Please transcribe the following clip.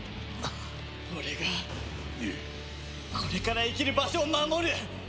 俺がこれから生きる場所を守る！